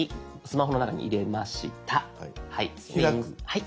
はい。